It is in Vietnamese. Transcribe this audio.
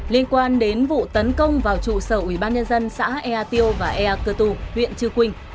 liên quan đến vụ tấn công vào trụ sở ủy ban nhân dân xã ea tiều và ea cơ tu huyện trư quynh